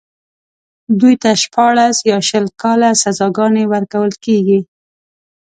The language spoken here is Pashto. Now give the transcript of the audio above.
دوی ته شپاړس يا شل کاله سزاګانې ورکول کېږي.